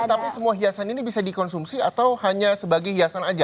tapi semua hiasan ini bisa dikonsumsi atau hanya sebagai hiasan saja